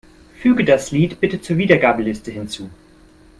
Füg das Lied bitte zur Wiedergabeliste hinzu.